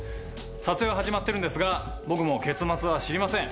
撮影は始まってるんですが僕も結末は知りません。